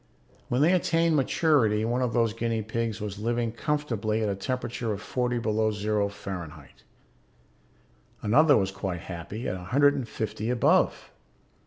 When they attained maturity one of those guinea pigs was living comfortably at a temperature of forty below zero Fahrenheit, another was quite happy at a hundred and fifty above.